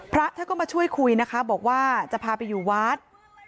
พระท่านก็มาช่วยคุยนะคะบอกว่าจะพาไปอยู่วัด